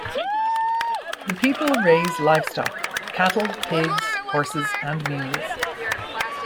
The people raise livestock: cattle, pigs, horses and mules.